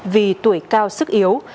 vì tuổi cao sức yếu